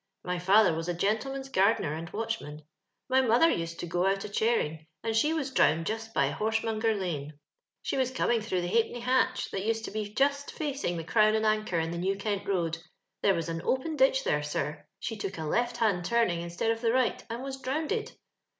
My father was a gentleman's gardener and watchman. My mother used to go out a chairing, and she was drowned just by Horsenionger Lane. She was coming through tho Halfpenny Hatch, that used to he just faeinfj; tlio Crown and Anchor, in tho New Kent roiul; tliere wius an open ditch there, sir. Sho took the left hand turn ing instoud of tho rijjht, and was drowndod.